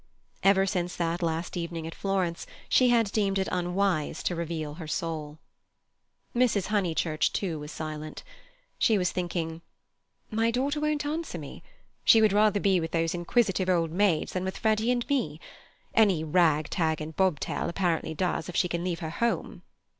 Ever since that last evening at Florence she had deemed it unwise to reveal her soul. Mrs. Honeychurch, too, was silent. She was thinking, "My daughter won't answer me; she would rather be with those inquisitive old maids than with Freddy and me. Any rag, tag, and bobtail apparently does if she can leave her home."